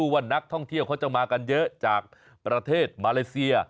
ว่านักท่องเที่ยวเขาจะมากันเยอะจากประเทศมาเลเซีย